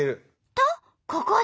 とここで。